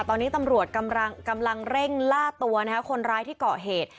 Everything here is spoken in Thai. ตอนนี้ตำรวจกำลังเร่งล่าตัวคนร้ายที่เกาะเหตุ